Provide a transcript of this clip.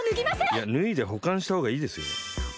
いやぬいでほかんしたほうがいいですよ。